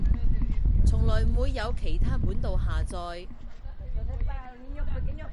從來唔會由其它管道下載